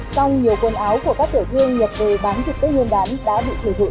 trong nhiều quần áo của các tiểu thương nhập về bán thực tế nguyên đán đã bị thiệt dụng